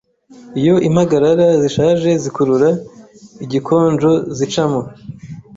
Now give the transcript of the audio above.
Iyo impagarara zishaje zikurura igikonjozicamo